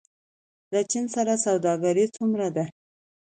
له چین سره سوداګري څومره ده؟